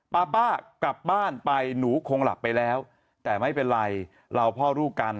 ป้าป้ากลับบ้านไปหนูคงหลับไปแล้วแต่ไม่เป็นไรเราพ่อลูกกัน